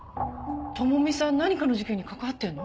朋美さん何かの事件に関わってるの？